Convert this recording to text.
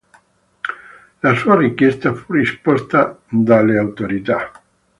La sua richiesta fu respinta dalle autorità.